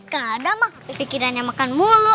kadang maka pikirannya makan mulu